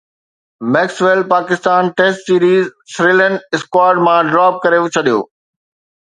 Maxwell Pakistan test series سريلن squad مان drop ڪري ڇڏيو